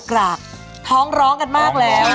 กราบท้องร้องกันมากแล้ว